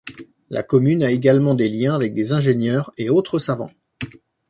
La commune a également des liens avec des ingénieurs et autres savants.